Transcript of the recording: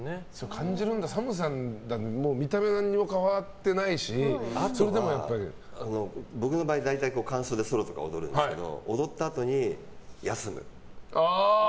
感じるんだ、ＳＡＭさんは見た目は変わってないしあとは、大体間奏でソロとか踊るんですけど踊ったあとに休む。